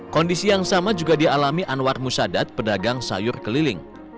kondisi yang sama juga dialami anwar musadat pedagang sayur keliling